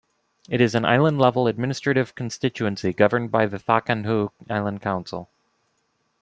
It is an island-level administrative constituency governed by the Thakandhoo Island Council.